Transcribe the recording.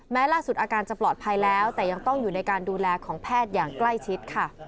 ล่าสุดอาการจะปลอดภัยแล้วแต่ยังต้องอยู่ในการดูแลของแพทย์อย่างใกล้ชิดค่ะ